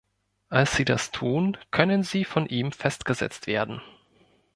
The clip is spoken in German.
Als sie das tun, können sie von ihm festgesetzt werden.